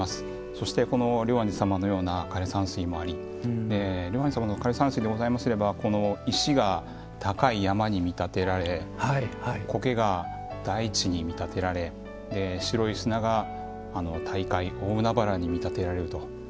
そして龍安寺様のような枯山水もあり龍安寺様の枯山水であればこの石が高い山に見立てられこけが大地に見立てられ白い砂が大海大海原に見立てられると。